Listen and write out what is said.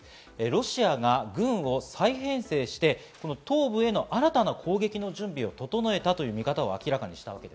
ロシアが軍を再編成して東部への新たな攻撃の準備を整えたという見方を明らかにしました。